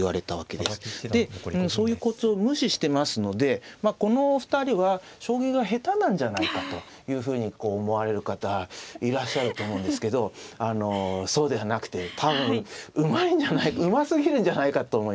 でそういうコツを無視してますのでまあこのお二人は将棋が下手なんじゃないかというふうにこう思われる方いらっしゃると思うんですけどそうではなくて多分うますぎるんじゃないかと思いますね。